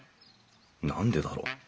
何でだろう。